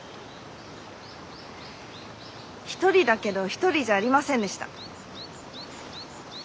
一人だけど一人じゃありませんでした。